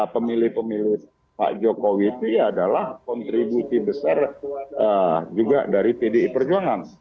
pemilih pemilih pak jokowi itu adalah kontribusi besar juga dari pdi perjuangan